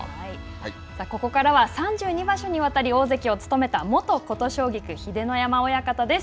ここからは、３２場所にわたり大関を務めた、元琴奨菊、秀ノ山親方です。